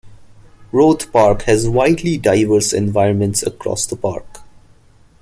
Roath Park has widely diverse environments across the park.